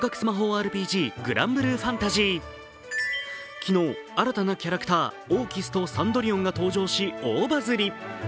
昨日、新たなキャラクター、オーキスとサンドリヨンが登場し大バズり。